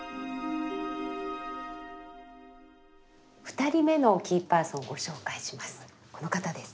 ２人目のキーパーソンご紹介します。